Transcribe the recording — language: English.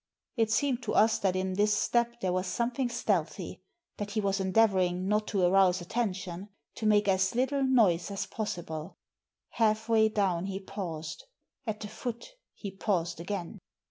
It seemed to us that in this step there was something stealthy, that he was endeavour ing not to arouse attention, to make as little noise as possible. Half way down he paused ; at the foot he paused again.